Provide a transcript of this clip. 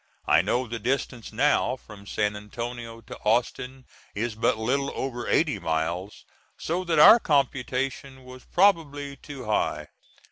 I know the distance now from San Antonio to Austin is but little over eighty miles, so that our computation was probably too high.